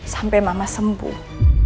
sampai mama sembuh